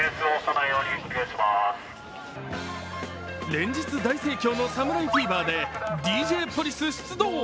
連日大盛況の侍フィーバーでＤＪポリス出動。